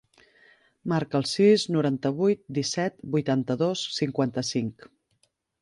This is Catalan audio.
Marca el sis, noranta-vuit, disset, vuitanta-dos, cinquanta-cinc.